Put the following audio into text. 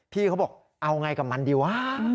พี่เขาบอกเอาไงกับมันดีวะ